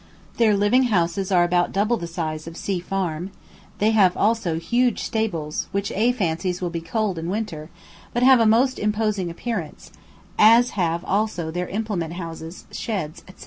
Their living houses are about double the size of C Farm; they have also huge stables, which A fancies will be cold in winter, but have a most imposing appearance, as have also their implement house, sheds, etc.